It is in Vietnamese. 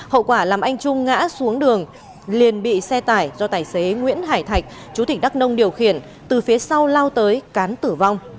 hậu quả làm anh trung ngã xuống đường liền bị xe tải do tài xế nguyễn hải thạch chú tỉnh đắk nông điều khiển từ phía sau lao tới cán tử vong